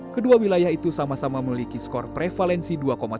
kedua wilayah itu sama sama memiliki skor prevalensi dua tiga